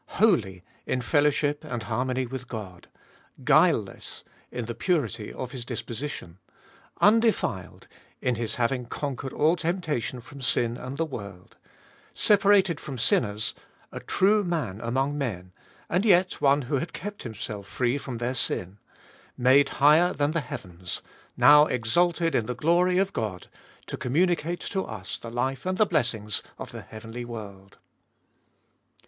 Holy, in fellowship and harmony with God ; guileless, in the purity of His disposition ; undefiled, in His having conquered all temptation from sin and the world ; separated from sinners, a true Man among men, and yet one who had kept Himself free from their sin ; made higher than the heavens, now exalted in the glory of God, to communicate to us the life and the blessings of the heavenly world.